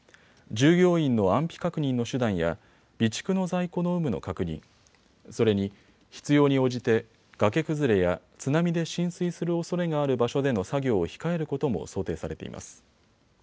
従業員の安否確認の手段や備蓄の在庫の有無の確認、それに、必要に応じて崖崩れや津波で浸水するおそれがある場所での作業を控えることも想定されています。